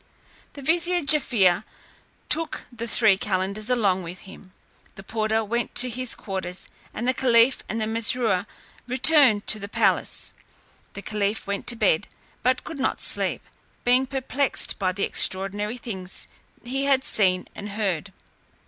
The vizier Jaaffier took the three calenders along with him; the porter went to his quarters, and the caliph and Mesrour returned to the palace. The caliph went to bed, but could not sleep, being perplexed by the extraordinary things he had seen and heard.